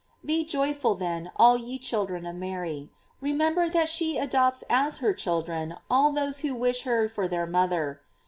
Be joyful then, all ye children of Mary; re member that she adopts as her children all those who wish her for their mother.